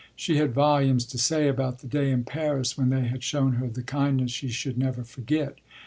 She had volumes to say about the day in Paris when they had shown her the kindness she should never forget.